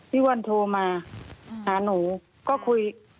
พี่วันโทรมาหาหนู